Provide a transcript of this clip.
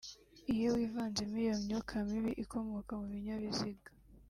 iyo wivanzemo iyo myuka mibi ikomoka mu binyabiziga